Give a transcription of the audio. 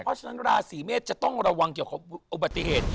เพราะฉะนั้นราศีเมษจะต้องระวังเกี่ยวกับอุบัติเหตุ